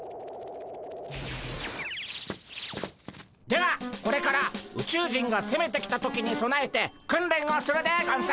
ではこれから宇宙人がせめてきた時にそなえて訓練をするでゴンス。